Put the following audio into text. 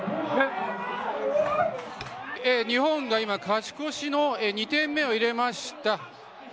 日本が今勝ち越しの２点目を入れました。